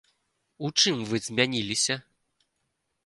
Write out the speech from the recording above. У чым вы змяніліся?